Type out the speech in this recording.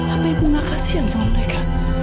apa ibu gak kasihan sama mereka